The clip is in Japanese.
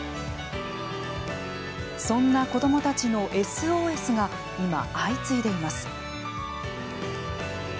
そんな子どもたちのＳＯＳが今、相次いでいます。